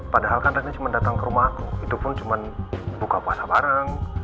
padahal kan tadi cuma datang ke rumah aku itu pun cuma buka puasa bareng